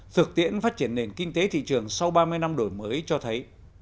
thực tiễn phát triển nền kinh tế thị trường sau ba mươi năm đổi mới cho thấy